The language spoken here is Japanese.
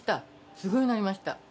すごいなりました。